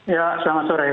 iya selamat sore